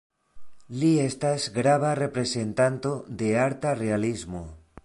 Li estas grava reprezentanto de arta realismo.